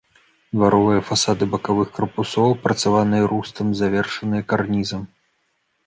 Дваровыя фасады бакавых карпусоў апрацаваныя рустам, завершаныя карнізам.